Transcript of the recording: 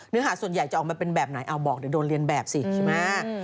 หาส่วนใหญ่จะออกมาเป็นแบบไหนเอาบอกเดี๋ยวโดนเรียนแบบสิใช่ไหม